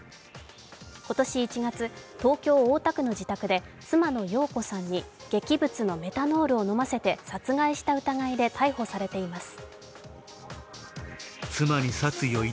今年１月、東京・大田区の自宅で妻の容子さんに劇物のメタノールを飲ませて殺害した疑いで逮捕されています。